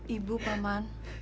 ibu pak man